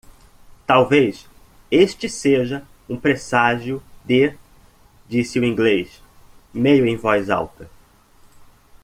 "Talvez este seja um presságio de?" disse o inglês? meio em voz alta.